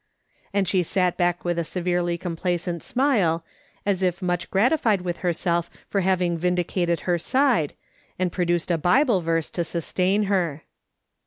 And she sat back with a severely complacent smile, as if much gratified with herself for having vindicated her side, and produced a Bible verse to sustain her.